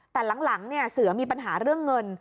แต่หลังเสือมีปัญหาเรื่องเงิน